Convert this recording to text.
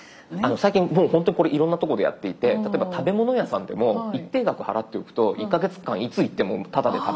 最近もうほんとにこれいろんなとこでやっていて例えば食べ物屋さんでも一定額払っておくと１か月間いつ行ってもタダで食べさせてあげる。